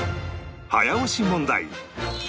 早押し問題